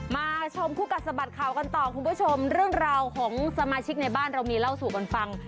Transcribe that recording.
มาชมคู่กัดสะบัดข่าวกันต่อคุณผู้ชมเรื่องราวของสมาชิกในบ้านเรามีเล่าสู่กันฟัง